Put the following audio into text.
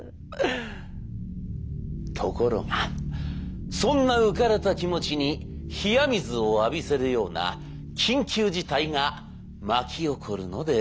ところがそんな浮かれた気持ちに冷や水を浴びせるような緊急事態が巻き起こるのでございます。